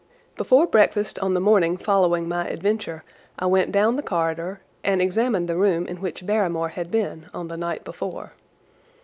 Before breakfast on the morning following my adventure I went down the corridor and examined the room in which Barrymore had been on the night before.